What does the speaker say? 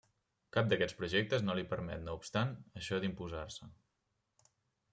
Cap d'aquests projectes no li permet no obstant això d'imposar-se.